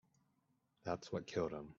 That's what killed him.